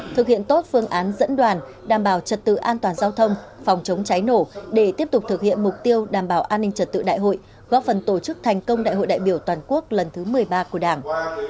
thực hiện tốt phương án dẫn đoàn đảm bảo trật tự an toàn giao thông phòng chống cháy nổ để tiếp tục thực hiện mục tiêu đảm bảo an ninh trật tự đại hội góp phần tổ chức thành công đại hội đại biểu toàn quốc lần thứ một mươi ba của đảng